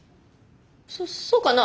そっそうかな？